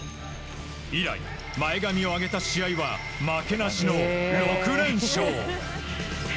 以来、前髪を上げた試合は負けなしの６連勝。